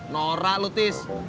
norak lu tis